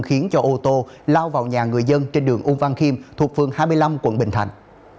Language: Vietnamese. khiến cho ô tô lao vào nhà người dân trên đường ún văn khiêm thuộc phương hai mươi năm quận bình thành